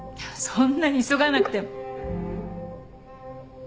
そんなに急がなくても。